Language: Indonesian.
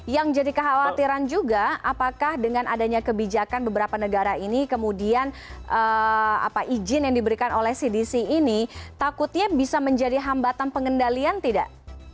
yang jadi kekhawatiran juga apakah dengan adanya kebijakan beberapa negara ini kemudian izin yang diberikan oleh cdc ini takutnya bisa menjadi hambatan pengendalian tidak